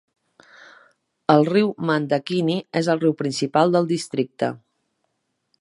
El riu Mandakini és el riu principal del districte.